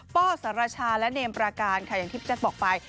ป้อสารชาและเนมประการค่ะอย่างที่พี่แจ๊คบอกไป